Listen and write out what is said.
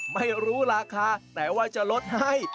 ไม่รู้ราคาแต่ว่าจะลดให้